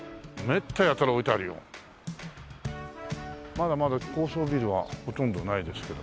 まだまだ高層ビルはほとんどないですけど。